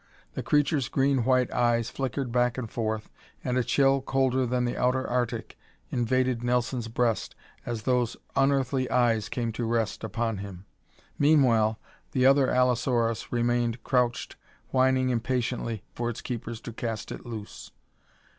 The creature's green white eyes flickered back and forth, and a chill, colder than the outer Arctic, invaded Nelson's breast as those unearthly eyes came to rest upon him. Meanwhile the other allosaurus remained crouched, whining impatiently for its keepers to cast it loose.